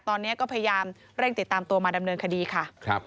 ตอนนี้ก็พยายามเร่งติดตามตัวมาดำเนินคดีค่ะ